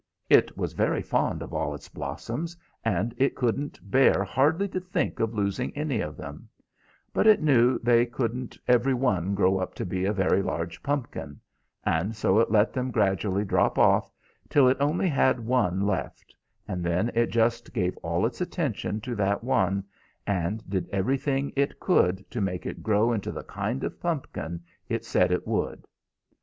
It was very fond of all its blossoms, and it couldn't bear hardly to think of losing any of them; but it knew they couldn't every one grow up to be a very large pumpkin, and so it let them gradually drop off till it only had one left, and then it just gave all its attention to that one, and did everything it could to make it grow into the kind of pumpkin it said it would.